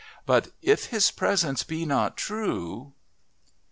But, if his presence be not true